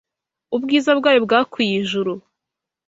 Ubwiza bwayo bwakwiye ijuru